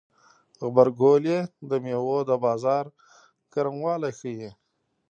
غبرګولی د میوو د بازار ګرموالی ښيي.